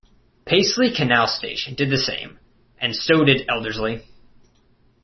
Paisley Canal station did the same; and so did Elderslie.